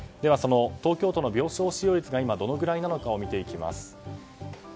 東京都の病床使用率がどのくらいか見ていきます。